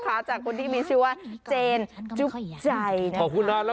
ความลับของแมวความลับของแมวความลับของแมว